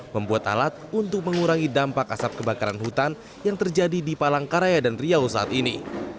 membuat alat untuk mengurangi dampak asap kebakaran hutan yang terjadi di palangkaraya dan riau saat ini